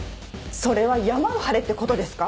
それはヤマを張れってことですか？